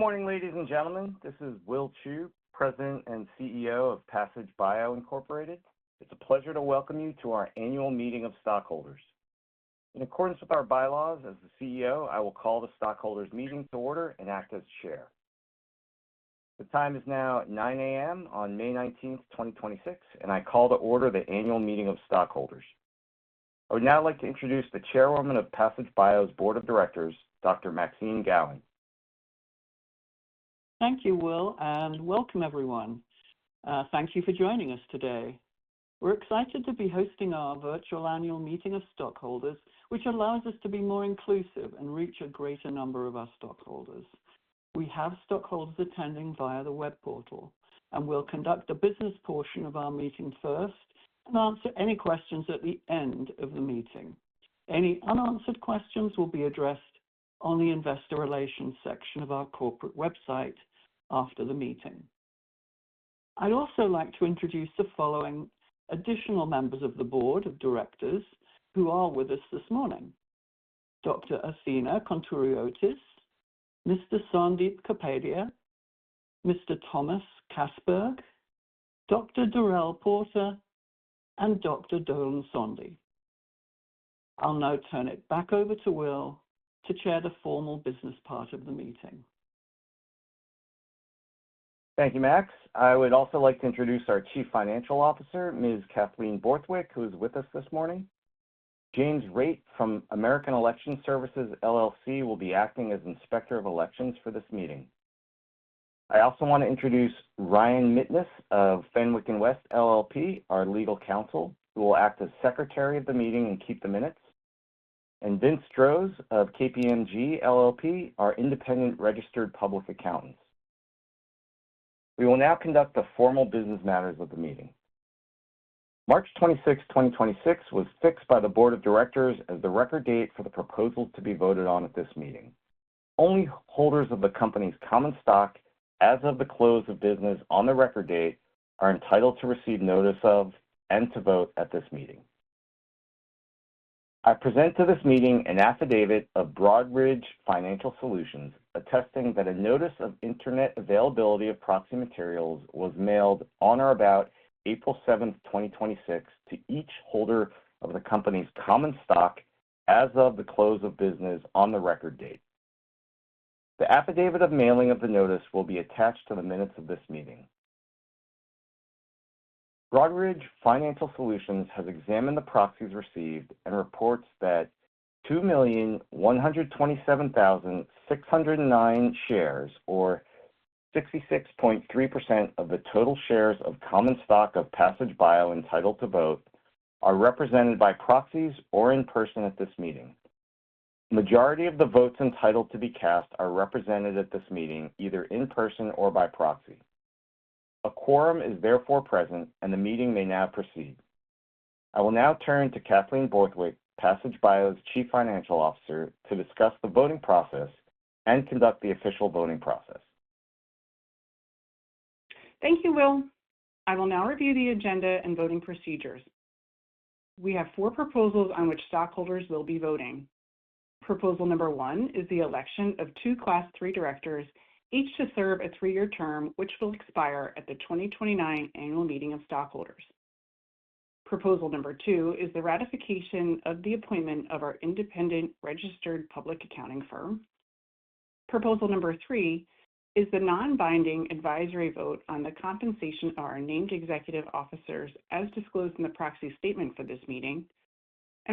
Good morning, ladies and gentlemen. This is Will Chou, President and CEO of Passage Bio, Inc. It's a pleasure to welcome you to our annual meeting of stockholders. In accordance with our bylaws, as the CEO, I will call the stockholders' meeting to order and act as Chair. The time is now 9:00 A.M. on May 19th, 2026. I call to order the annual meeting of stockholders. I would now like to introduce the Chairwoman of Passage Bio's Board of Directors, Dr. Maxine Gowen. Thank you, Will Chou, welcome everyone. Thank you for joining us today. We're excited to be hosting our virtual annual meeting of stockholders, which allows us to be more inclusive and reach a greater number of our stockholders. We have stockholders attending via the web portal and will conduct the business portion of our meeting first and answer any questions at the end of the meeting. Any unanswered questions will be addressed on the investor relations section of our corporate website after the meeting. I'd also like to introduce the following additional members of the Board of Directors who are with us this morning, Dr. Athena Countouriotis, Mr. Sandip Kapadia, Mr. Thomas Kassberg, Dr. Derrell D. Porter, and Dr. Dolan Sondhi. I'll now turn it back over to Will Chou to chair the formal business part of the meeting. Thank you, Maxine. I would also like to introduce our Chief Financial Officer, Ms. Kathleen Borthwick, who is with us this morning. James Raitt from American Election Services, LLC will be acting as Inspector of Elections for this meeting. I also want to introduce Ryan Mitteness of Fenwick & West LLP, our legal counsel, who will act as Secretary of the meeting and keep the minutes, and Vince Stroh of KPMG LLP, our independent registered public accountants. We will now conduct the formal business matters of the meeting. March 26th, 2026, was fixed by the board of directors as the record date for the proposals to be voted on at this meeting. Only holders of the company's common stock as of the close of business on the record date are entitled to receive notice of and to vote at this meeting. I present to this meeting an affidavit of Broadridge Financial Solutions attesting that a notice of Internet availability of proxy materials was mailed on or about April 7th, 2026, to each holder of the company's common stock as of the close of business on the record date. The affidavit of mailing of the notice will be attached to the minutes of this meeting. Broadridge Financial Solutions has examined the proxies received and reports that 2,127,609 shares, or 66.3% of the total shares of common stock of Passage Bio entitled to vote, are represented by proxies or in person at this meeting. Majority of the votes entitled to be cast are represented at this meeting, either in person or by proxy. A quorum is therefore present and the meeting may now proceed. I will now turn to Kathleen Borthwick, Passage Bio's Chief Financial Officer, to discuss the voting process and conduct the official voting process. Thank you, Will. I will now review the agenda and voting procedures. We have four proposals on which stockholders will be voting. Proposal number 1 is the election of two Class III directors, each to serve a three-year term which will expire at the 2029 annual meeting of stockholders. Proposal number 2 is the ratification of the appointment of our independent registered public accounting firm. Proposal number 3 is the non-binding advisory vote on the compensation of our named executive officers as disclosed in the proxy statement for this meeting.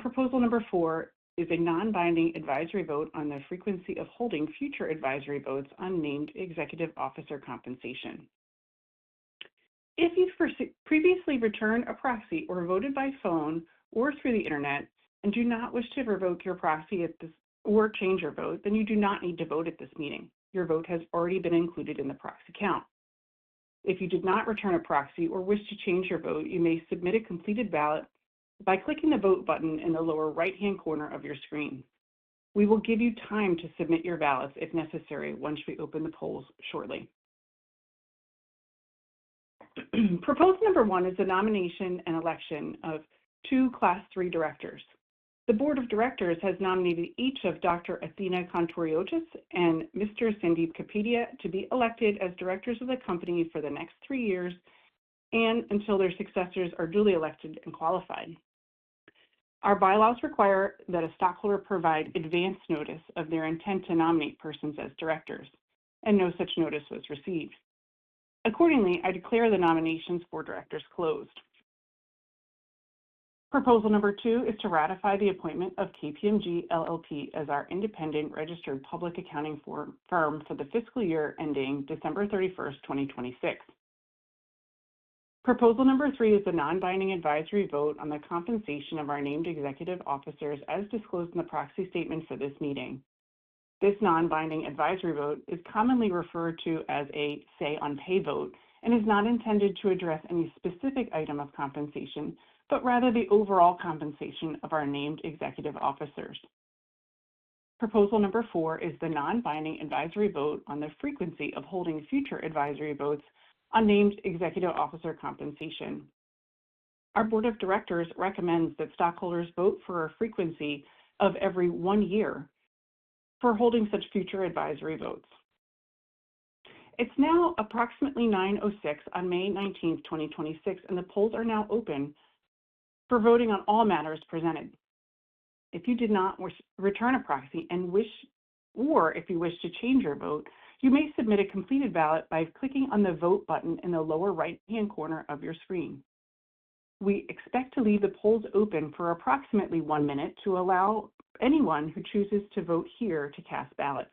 Proposal number 4 is a non-binding advisory vote on the frequency of holding future advisory votes on named executive officer compensation. If you've previously returned a proxy or voted by phone or through the Internet and do not wish to revoke your proxy or change your vote, you do not need to vote at this meeting. Your vote has already been included in the proxy count. If you did not return a proxy or wish to change your vote, you may submit a completed ballot by clicking the Vote button in the lower right-hand corner of your screen. We will give you time to submit your ballots if necessary once we open the polls shortly. Proposal number 1 is the nomination and election of two Class III directors. The Board of Directors has nominated each of Dr. Athena Countouriotis and Mr. Sandip Kapadia to be elected as directors of the company for the next three years and until their successors are duly elected and qualified. Our bylaws require that a stockholder provide advance notice of their intent to nominate persons as directors, and no such notice was received. Accordingly, I declare the nominations for directors closed. Proposal number 2 is to ratify the appointment of KPMG LLP as our independent registered public accounting firm for the fiscal year ending December 31st, 2026. Proposal number 3 is a non-binding advisory vote on the compensation of our named executive officers as disclosed in the proxy statement for this meeting. This non-binding advisory vote is commonly referred to as a "say on pay" vote and is not intended to address any specific item of compensation, but rather the overall compensation of our named executive officers. Proposal number 4 is the non-binding advisory vote on the frequency of holding future advisory votes on named executive officer compensation. Our board of directors recommends that stockholders vote for a frequency of every one year for holding such future advisory votes. It's now approximately 9:06 A.M. on May 19, 2026, and the polls are now open for voting on all matters presented. If you did not return a proxy and wish, or if you wish to change your vote, you may submit a completed ballot by clicking on the Vote button in the lower right-hand corner of your screen. We expect to leave the polls open for approximately one minute to allow anyone who chooses to vote here to cast ballots.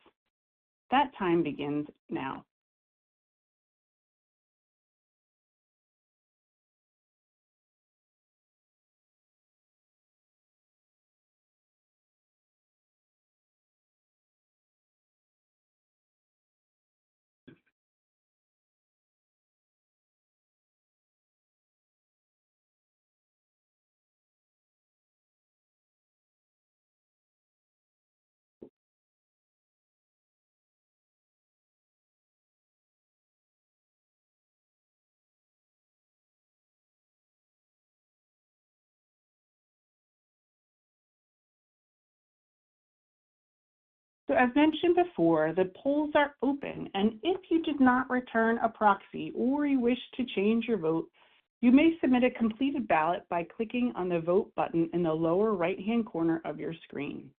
That time begins now. As mentioned before, the polls are open, and if you did not return a proxy or you wish to change your vote, you may submit a completed ballot by clicking on the Vote button in the lower right-hand corner of your screen.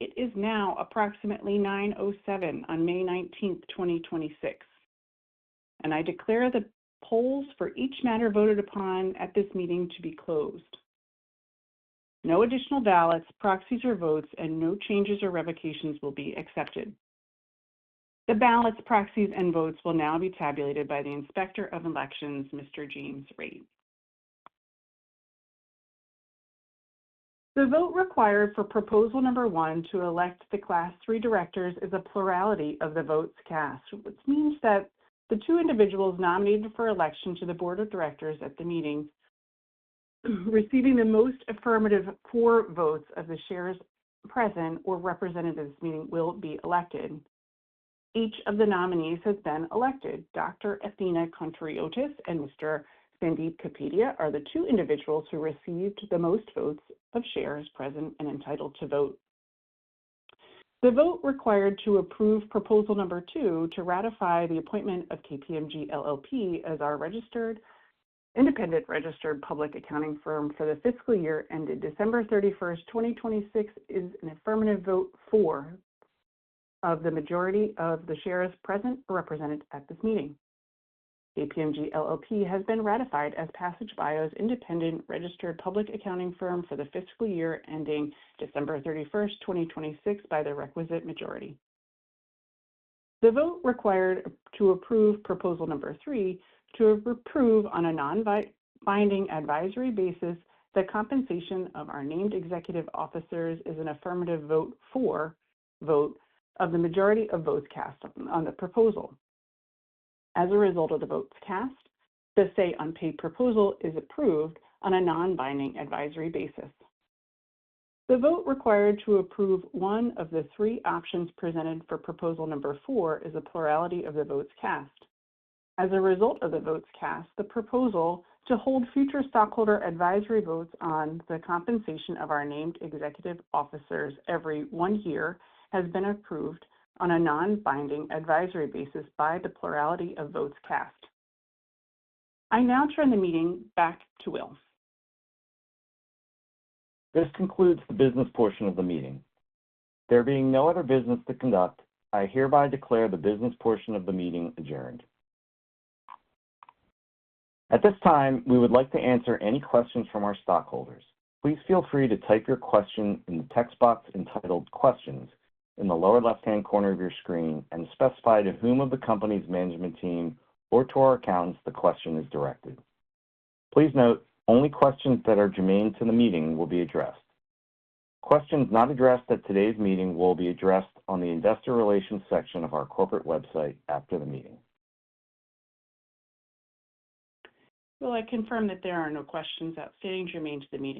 It is now approximately 9:07 A.M. on May 19th, 2026, and I declare the polls for each matter voted upon at this meeting to be closed. No additional ballots, proxies, or votes, and no changes or revocations will be accepted. The ballots, proxies, and votes will now be tabulated by the Inspector of Elections, Mr. James Reid. The vote required for proposal number 1 to elect the Class III directors is a plurality of the votes cast, which means that the two individuals nominated for election to the board of directors at the meeting, receiving the most affirmative core votes of the shares present or representatives meeting will be elected. Each of the nominees has been elected. Dr. Athena Countouriotis and Mr. Sandip Kapadia are the two individuals who received the most votes of shares present and entitled to vote. The vote required to approve proposal number 2, to ratify the appointment of KPMG LLP as our independent registered public accounting firm for the fiscal year ended December 31st, 2026, is an affirmative vote for of the majority of the shares present or represented at this meeting. KPMG LLP has been ratified as Passage Bio's independent registered public accounting firm for the fiscal year ending December 31st, 2026, by the requisite majority. The vote required to approve proposal number 3, to approve on a non-binding advisory basis the compensation of our named executive officers is an affirmative vote for vote of the majority of votes cast on the proposal. As a result of the votes cast, the say on pay proposal is approved on a non-binding advisory basis. The vote required to approve one of the three options presented for proposal number 4 is a plurality of the votes cast. As a result of the votes cast, the proposal to hold future stockholder advisory votes on the compensation of our named executive officers every one year has been approved on a non-binding advisory basis by the plurality of votes cast. I now turn the meeting back to Will. This concludes the business portion of the meeting. There being no other business to conduct, I hereby declare the business portion of the meeting adjourned. At this time, we would like to answer any questions from our stockholders. Please feel free to type your question in the text box entitled Questions in the lower left-hand corner of your screen and specify to whom of the company's management team or to our accountants the question is directed. Please note, only questions that are germane to the meeting will be addressed. Questions not addressed at today's meeting will be addressed on the investor relations section of our corporate website after the meeting. Will, I confirm that there are no questions outstanding germane to the meeting.